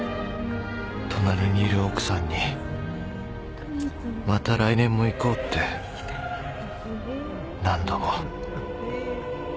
隣にいる奥さんに「また来年も行こう」って何度も。